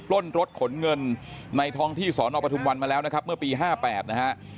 ล้นรถขนเงินในท้องที่สอนอปทุมวันมาแล้วนะครับเมื่อปี๕๘นะฮะ